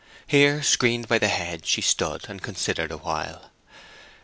Here, screened by the hedge, she stood and considered a while.